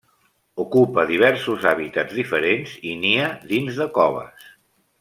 Ocupa diversos hàbitats diferents i nia dins de coves.